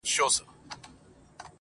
او د ټولني د فکر په ژورو کي ژوند کوي,